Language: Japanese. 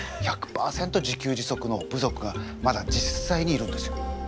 １００％自給自足の部族がまだ実際にいるんですよ。